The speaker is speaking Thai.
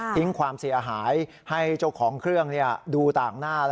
ความเสียหายให้เจ้าของเครื่องดูต่างหน้า